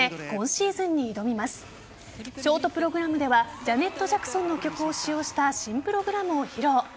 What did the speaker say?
ショートプログラムではジャネット・ジャクソンの曲を使用した新プログラムを披露。